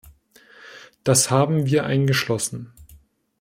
Das haben wir eingeschlossen.